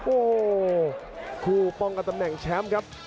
โอ้โหคู่ป้องกันตำแหน่งแชมป์ครับ